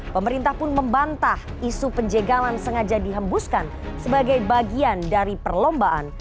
pemerintah pun membantah isu penjagalan sengaja dihembuskan sebagai bagian dari perlombaan